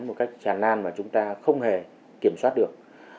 một cách chàn nan mà chúng ta không hề kiểm soát được